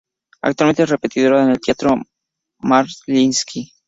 Actualmente es repetidora en el Teatro Mariinski.